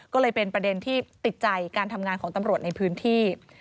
ก็เลยเป็นประเด็นที่ติดใจการทำงานของตำรวจในพื้นที่